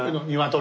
鶏。